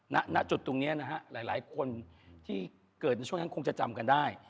ณจุดตรงนี้นะฮะหลายคนที่เกิดในช่วงนั้นคงจะจำกันได้